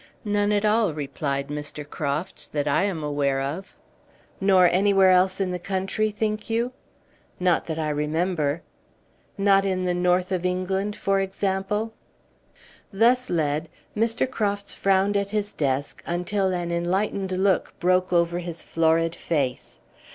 "None at all," replied Mr. Crofts, "that I am aware of." "Nor anywhere else in the country, think you?" "Not that I remember." "Not in the north of England, for example?" Thus led, Mr. Crofts frowned at his desk until an enlightened look broke over his florid face.